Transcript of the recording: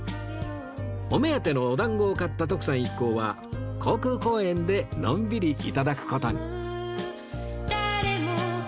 お目当てのおだんごを買った徳さん一行は航空公園でのんびり頂く事に